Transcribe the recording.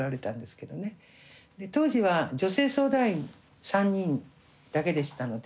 当時は女性相談員３人だけでしたので。